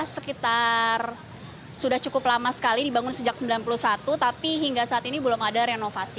sekitar sudah cukup lama sekali dibangun sejak seribu sembilan ratus sembilan puluh satu tapi hingga saat ini belum ada renovasi